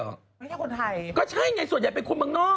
อันท่าคนไทยก็ใช่ไงส่วนใหญ่เป็นคนบางนอก